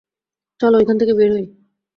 চলো, এখান থেকে বের হই!